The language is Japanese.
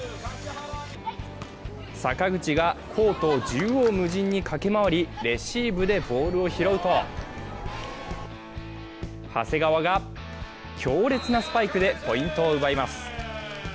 坂口がコートを縦横無尽に駆け回り、レシーブでボールを拾うと長谷川が強烈なスパイクでポイントを奪います。